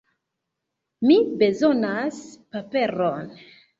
Mi bezonas paperon